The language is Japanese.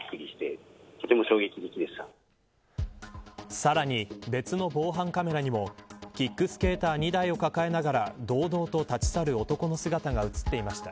さらに別の防犯カメラにもキックスケーターに２台を抱えながら堂々と立ち去る男の姿が映っていました。